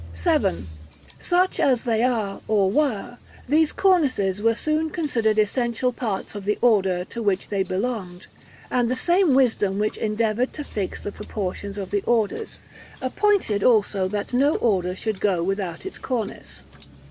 § VII. Such as they are, or were, these cornices were soon considered essential parts of the "order" to which they belonged; and the same wisdom which endeavored to fix the proportions of the orders, appointed also that no order should go without its cornice.